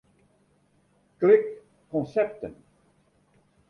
Klik Konsepten.